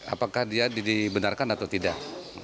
apakah dia dibenarkan atau tidak